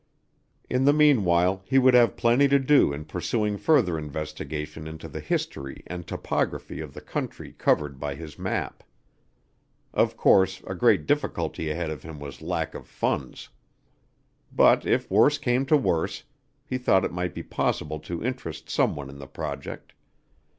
In the meanwhile he would have plenty to do in pursuing further investigation into the history and topography of the country covered by his map. Of course, a great difficulty ahead of him was lack of funds. But, if worse came to worse, he thought it might be possible to interest someone in the project.